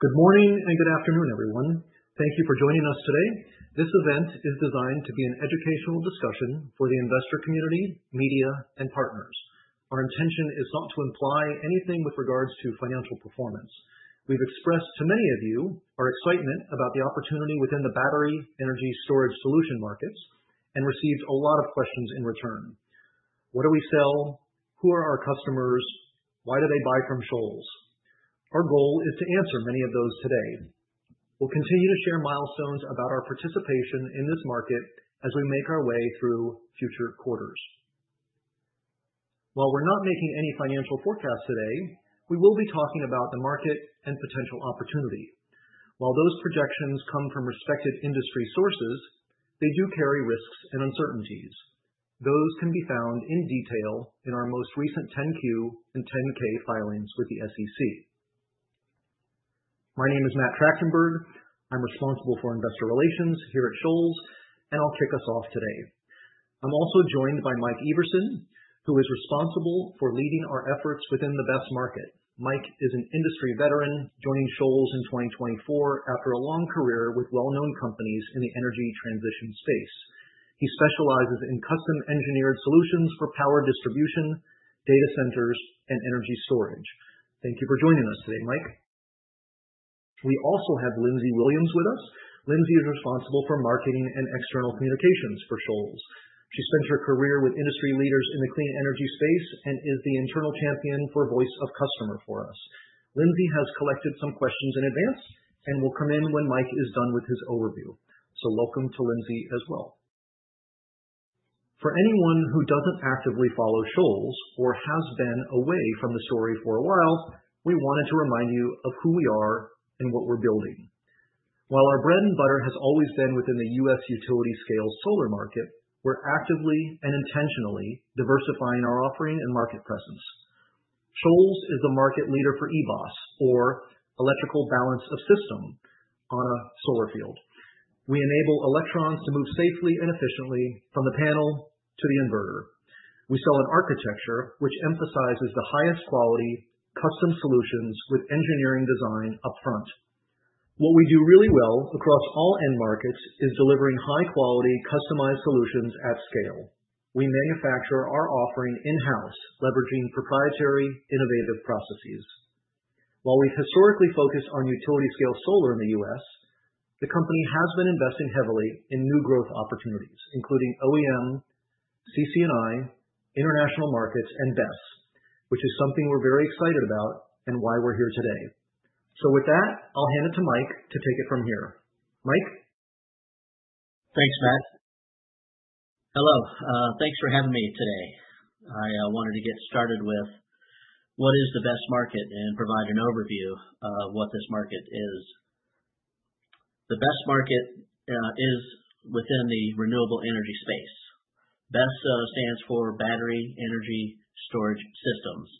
Good morning and good afternoon, everyone. Thank you for joining us today. This event is designed to be an educational discussion for the investor community, media, and partners. Our intention is not to imply anything with regards to financial performance. We've expressed to many of you our excitement about the opportunity within the battery energy storage solution markets and received a lot of questions in return. What do we sell? Who are our customers? Why do they buy from Shoals? Our goal is to answer many of those today. We'll continue to share milestones about our participation in this market as we make our way through future quarters. While we're not making any financial forecasts today, we will be talking about the market and potential opportunity. While those projections come from respected industry sources, they do carry risks and uncertainties. Those can be found in detail in our most recent 10-Q and 10-K filings with the SEC. My name is Matt Tractenberg. I'm responsible for investor relations here at Shoals, and I'll kick us off today. I'm also joined by Mike Everson, who is responsible for leading our efforts within the BESS market. Mike is an industry veteran joining Shoals in 2024 after a long career with well-known companies in the energy transition space. He specializes in custom-engineered solutions for power distribution, data centers, and energy storage. Thank you for joining us today, Mike. We also have Lindsay Williams with us. Lindsay is responsible for marketing and external communications for Shoals. She spent her career with industry leaders in the clean energy space and is the internal champion for voice of customer for us. Lindsay has collected some questions in advance and will come in when Mike is done with his overview. So welcome to Lindsay as well. For anyone who doesn't actively follow Shoals or has been away from the story for a while, we wanted to remind you of who we are and what we're building. While our bread and butter has always been within the U.S. utility-scale solar market, we're actively and intentionally diversifying our offering and market presence. Shoals is the market leader for EBOS, or electrical balance of system, on a solar field. We enable electrons to move safely and efficiently from the panel to the inverter. We sell an architecture which emphasizes the highest quality custom solutions with engineering design upfront. What we do really well across all end markets is delivering high-quality customized solutions at scale. We manufacture our offering in-house, leveraging proprietary innovative processes. While we've historically focused on utility-scale solar in the U.S., the company has been investing heavily in new growth opportunities, including OEM, C&I, international markets, and BESS, which is something we're very excited about and why we're here today. So with that, I'll hand it to Mike to take it from here. Mike. Thanks, Matt. Hello. Thanks for having me today. I wanted to get started with what is the BESS market and provide an overview of what this market is. The BESS market is within the renewable energy space. BESS stands for Battery Energy Storage Systems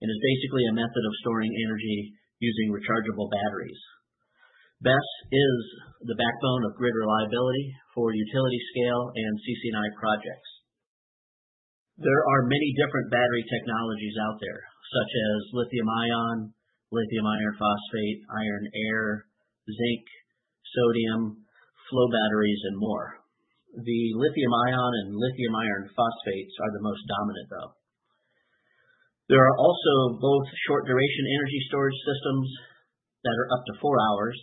and is basically a method of storing energy using rechargeable batteries. BESS is the backbone of grid reliability for utility-scale and C&I projects. There are many different battery technologies out there, such as lithium-ion, lithium iron phosphate, iron-air, zinc, sodium, flow batteries, and more. The lithium-ion and lithium iron phosphates are the most dominant, though. There are also both short-duration energy storage systems that are up to four hours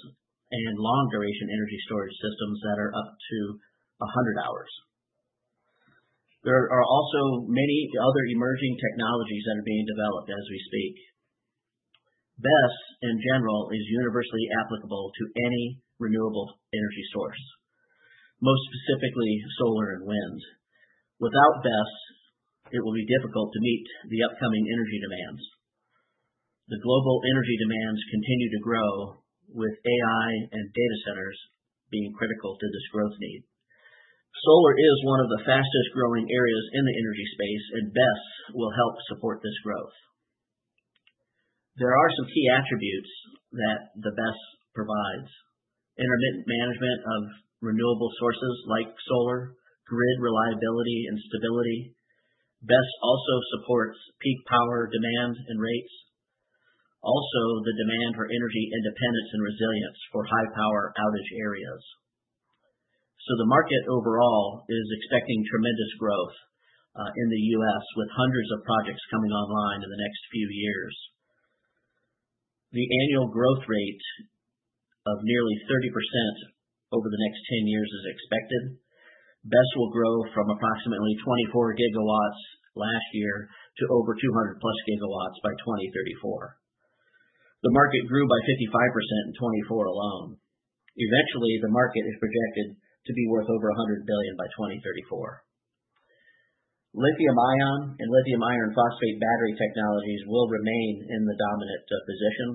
and long-duration energy storage systems that are up to 100 hours. There are also many other emerging technologies that are being developed as we speak. BESS, in general, is universally applicable to any renewable energy source, most specifically solar and wind. Without BESS, it will be difficult to meet the upcoming energy demands. The global energy demands continue to grow, with AI and data centers being critical to this growth need. Solar is one of the fastest-growing areas in the energy space, and BESS will help support this growth. There are some key attributes that the BESS provides: intermittent management of renewable sources like solar, grid reliability and stability. BESS also supports peak power demand and rates. Also, the demand for energy independence and resilience for high-power outage areas. So the market overall is expecting tremendous growth in the U.S., with hundreds of projects coming online in the next few years. The annual growth rate of nearly 30% over the next 10 years is expected. BESS will grow from approximately 24 gigawatts last year to over 200-plus gigawatts by 2034. The market grew by 55% in 2024 alone. Eventually, the market is projected to be worth over $100 billion by 2034. Lithium-ion and lithium iron phosphate battery technologies will remain in the dominant position,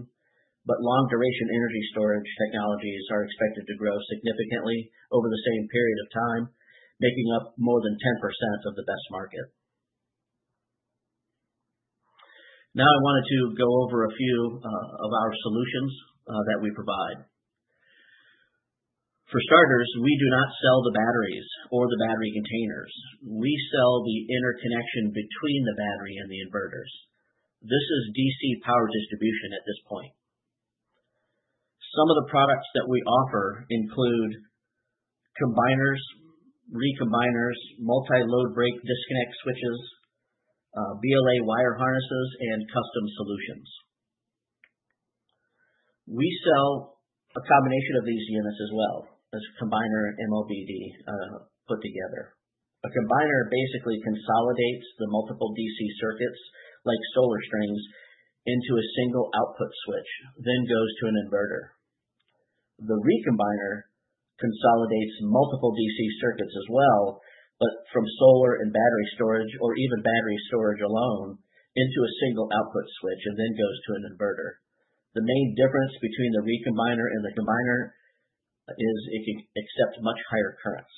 but long-duration energy storage technologies are expected to grow significantly over the same period of time, making up more than 10% of the BESS market. Now, I wanted to go over a few of our solutions that we provide. For starters, we do not sell the batteries or the battery containers. We sell the interconnection between the battery and the inverters. This is DC power distribution at this point. Some of the products that we offer include combiners, recombiners, multi-load break disconnect switches, BLA wire harnesses, and custom solutions. We sell a combination of these units as well, as a combiner and MOBD put together. A combiner basically consolidates the multiple DC circuits, like solar strings, into a single output switch, then goes to an inverter. The recombiner consolidates multiple DC circuits as well, but from solar and battery storage, or even battery storage alone, into a single output switch and then goes to an inverter. The main difference between the recombiner and the combiner is it can accept much higher currents.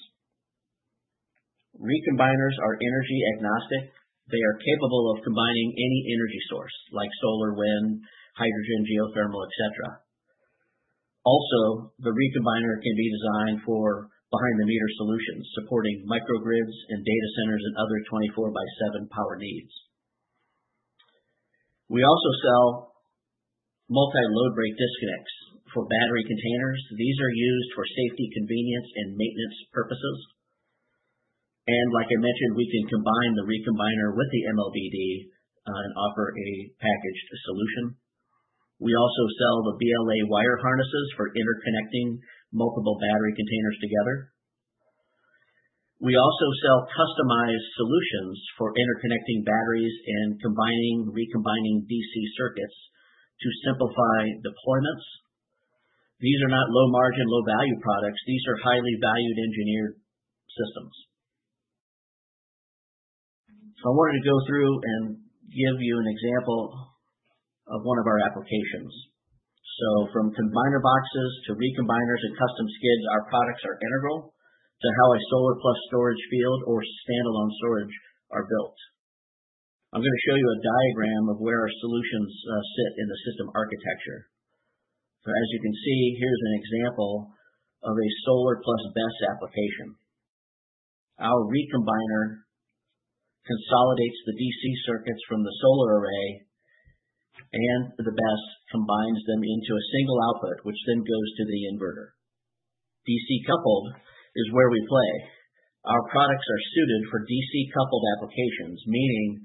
Recombiners are energy agnostic. They are capable of combining any energy source, like solar, wind, hydrogen, geothermal, etc. Also, the recombiner can be designed for behind-the-meter solutions, supporting microgrids and data centers and other 24x7 power needs. We also sell multi-load break disconnects for battery containers. These are used for safety, convenience, and maintenance purposes. And like I mentioned, we can combine the recombiner with the MOBD and offer a packaged solution. We also sell the BLA wire harnesses for interconnecting multiple battery containers together. We also sell customized solutions for interconnecting batteries and combining, recombining DC circuits to simplify deployments. These are not low-margin, low-value products. These are highly valued engineered systems. So I wanted to go through and give you an example of one of our applications. So from combiner boxes to recombiners and custom skids, our products are integral to how a solar-plus storage field or standalone storage are built. I'm going to show you a diagram of where our solutions sit in the system architecture. So as you can see, here's an example of a solar-plus BESS application. Our recombiner consolidates the DC circuits from the solar array, and the BESS combines them into a single output, which then goes to the inverter. DC-coupled is where we play. Our products are suited for DC-coupled applications, meaning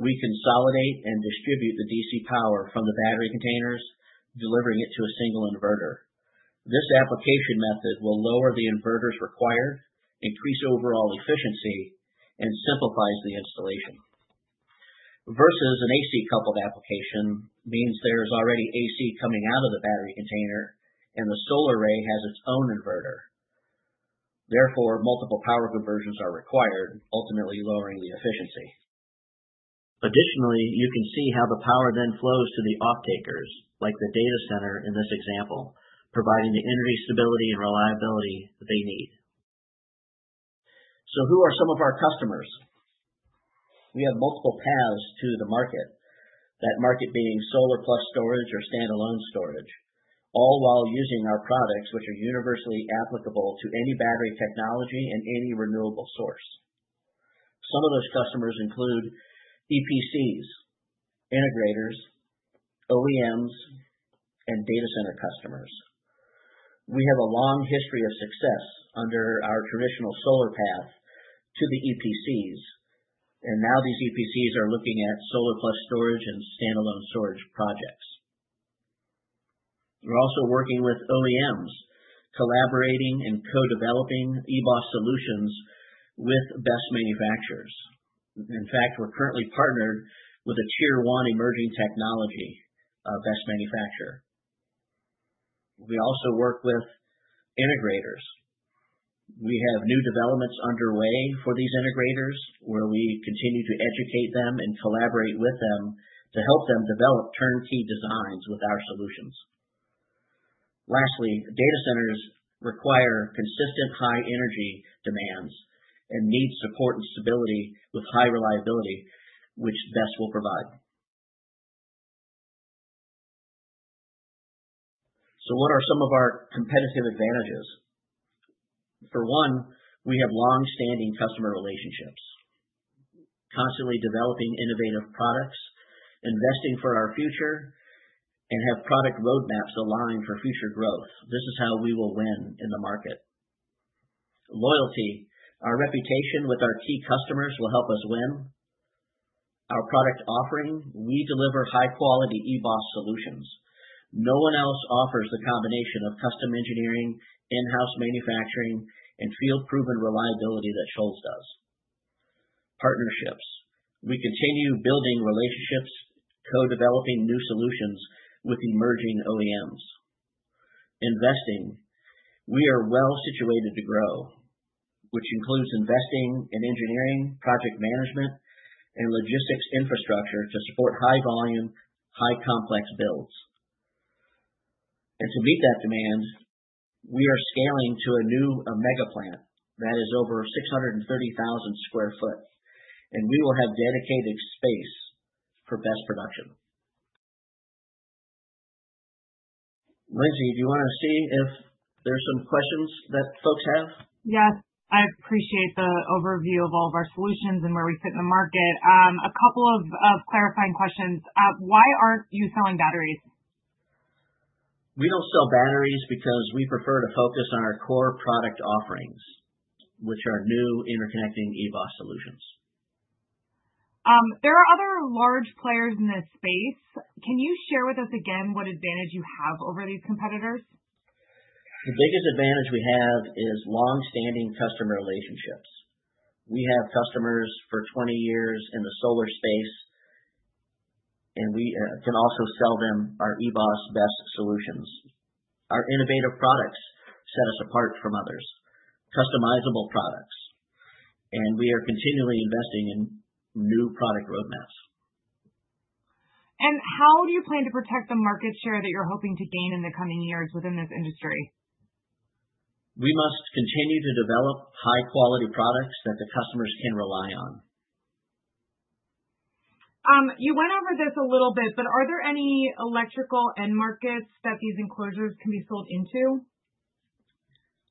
we consolidate and distribute the DC power from the battery containers, delivering it to a single inverter. This application method will lower the inverters required, increase overall efficiency, and simplifies the installation. Versus an AC-coupled application means there is already AC coming out of the battery container, and the solar array has its own inverter. Therefore, multiple power conversions are required, ultimately lowering the efficiency. Additionally, you can see how the power then flows to the off-takers, like the data center in this example, providing the energy stability and reliability that they need. So who are some of our customers? We have multiple paths to the market, that market being solar-plus storage or standalone storage, all while using our products, which are universally applicable to any battery technology and any renewable source. Some of those customers include EPCs, integrators, OEMs, and data center customers. We have a long history of success under our traditional solar path to the EPCs, and now these EPCs are looking at solar-plus storage and standalone storage projects. We're also working with OEMs, collaborating and co-developing EBOS solutions with BESS manufacturers. In fact, we're currently partnered with a tier-one emerging technology BESS manufacturer. We also work with integrators. We have new developments underway for these integrators, where we continue to educate them and collaborate with them to help them develop turnkey designs with our solutions. Lastly, data centers require consistent high-energy demands and need support and stability with high reliability, which BESS will provide. So what are some of our competitive advantages? For one, we have long-standing customer relationships, constantly developing innovative products, investing for our future, and have product roadmaps aligned for future growth. This is how we will win in the market. Loyalty, our reputation with our key customers will help us win. Our product offering, we deliver high-quality EBOS solutions. No one else offers the combination of custom engineering, in-house manufacturing, and field-proven reliability that Shoals does. Partnerships, we continue building relationships, co-developing new solutions with emerging OEMs. Investing, we are well-situated to grow, which includes investing in engineering, project management, and logistics infrastructure to support high-volume, high-complex builds. And to meet that demand, we are scaling to a new mega plant that is over 630,000 sq ft, and we will have dedicated space for BESS production. Lindsay, do you want to see if there's some questions that folks have? Yes. I appreciate the overview of all of our solutions and where we fit in the market. A couple of clarifying questions. Why aren't you selling batteries? We don't sell batteries because we prefer to focus on our core product offerings, which are new interconnecting EBOS solutions. There are other large players in this space. Can you share with us again what advantage you have over these competitors? The biggest advantage we have is long-standing customer relationships. We have customers for 20 years in the solar space, and we can also sell them our EBOS BESS solutions. Our innovative products set us apart from others, customizable products, and we are continually investing in new product roadmaps. How do you plan to protect the market share that you're hoping to gain in the coming years within this industry? We must continue to develop high-quality products that the customers can rely on. You went over this a little bit, but are there any electrical end markets that these enclosures can be sold into?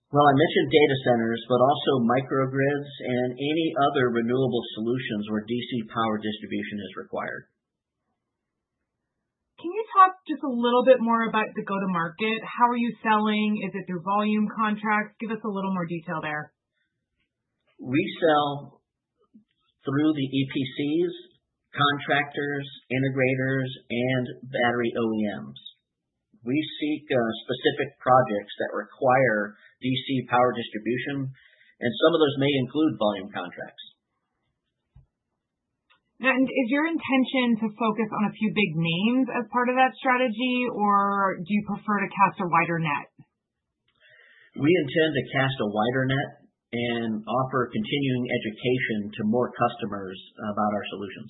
I mentioned data centers, but also microgrids and any other renewable solutions where DC power distribution is required. Can you talk just a little bit more about the go-to-market? How are you selling? Is it through volume contracts? Give us a little more detail there. We sell through the EPCs, contractors, integrators, and battery OEMs. We seek specific projects that require DC power distribution, and some of those may include volume contracts. And is your intention to focus on a few big names as part of that strategy, or do you prefer to cast a wider net? We intend to cast a wider net and offer continuing education to more customers about our solutions.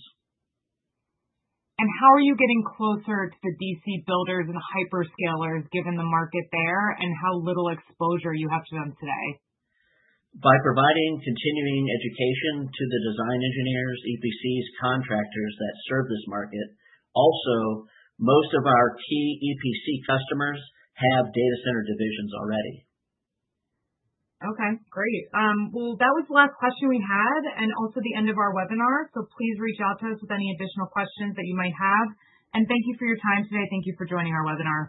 How are you getting closer to the DC builders and hyperscalers given the market there and how little exposure you have to them today? By providing continuing education to the design engineers, EPCs, contractors that serve this market. Also, most of our key EPC customers have data center divisions already. Okay. Great, well, that was the last question we had and also the end of our webinar, so please reach out to us with any additional questions that you might have, and thank you for your time today. Thank you for joining our webinar.